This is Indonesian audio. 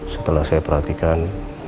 setelah saya perhatikan